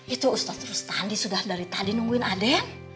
itu ustadz rustandi sudah dari tadi nungguin ade